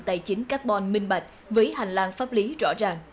tài chính carbon minh bạch với hành lang pháp lý rõ ràng